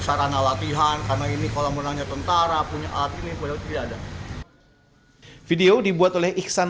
sarana latihan karena ini kalau menanya tentara punya alat ini tidak ada video dibuat oleh iksan